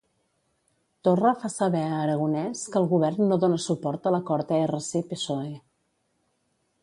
Torra fa saber a Aragonès que el govern no dona suport a l'acord ERC-PSOE.